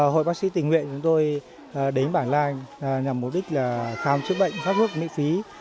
hội bác sĩ tình nguyện chúng tôi đến bản lai nhằm mục đích là khám chữa bệnh phát thuốc miễn phí